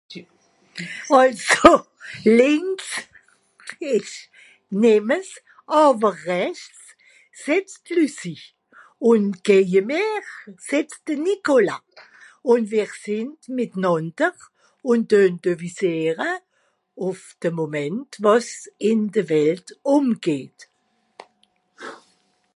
àlso lìnks esch nemes àwer rechts setzt Lucie ùn geje mer setzt de Nicolas ùn ver fìnd mìtnànder ùn deun deuvisiere ùff de Moment wàs ìn de Welt ùmgeht